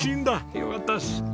よかったです。